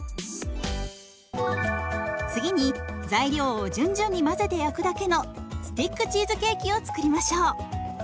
次に材料を順々に混ぜて焼くだけのスティックチーズケーキを作りましょう。